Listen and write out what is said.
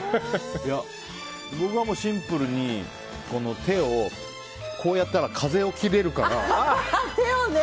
僕はシンプルに手をこうやったら風を切れるから。